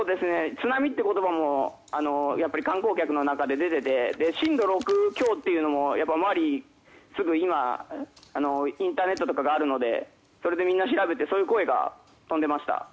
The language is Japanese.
津波って言葉も観光客の中で出ていて震度６強というのも今インターネットとかがあるのでそれでみんな調べてそんな声が飛んでいました。